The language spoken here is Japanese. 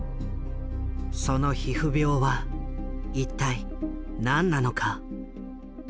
その皮膚病は一体何なのか。